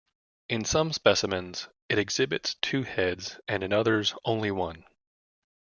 In some specimens it exhibits two heads and in others, only one.